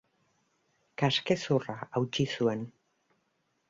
Kaskezurra hautsi zuen.